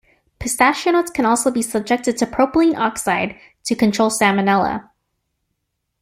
Pistachio nuts can also be subjected to propylene oxide to control "Salmonella".